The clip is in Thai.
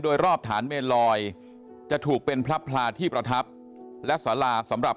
โดยรอบฐานเมนลอยจะถูกเป็นพระพลาที่ประทับและสาราสำหรับ